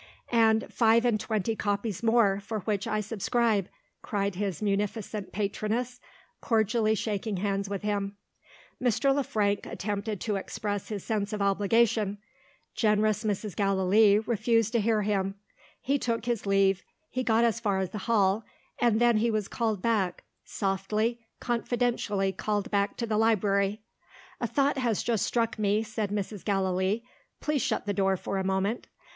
"And five and twenty copies more, for which I subscribe," cried his munificent patroness, cordially shaking hands with him. Mr. Le Frank attempted to express his sense of obligation. Generous Mrs. Gallilee refused to hear him. He took his leave; he got as far as the hall; and then he was called back softly, confidentially called back to the library. "A thought has just struck me," said Mrs. Gallilee. "Please shut the door for a moment.